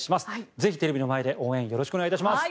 ぜひ、テレビの前で応援をよろしくお願いいたします。